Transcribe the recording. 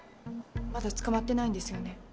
まだ捕まってないんですよね？